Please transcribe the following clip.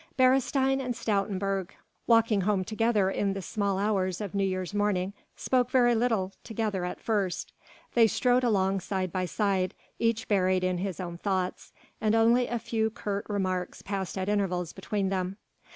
Beresteyn and Stoutenburg walking home together in the small hours of New Year's morning spoke very little together at first. They strode along side by side, each buried in his own thoughts, and only a few curt remarks passed at intervals between them.